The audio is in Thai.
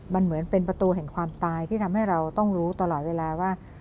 มันเหมือนเป็นประตูแห่งความตายที่ทำให้เราต้องรู้ตลอดเวลาว่า